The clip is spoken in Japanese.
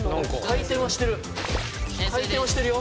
回転はしてるよ。